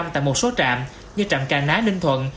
tại một số trạm như trạm càng ná ninh thuận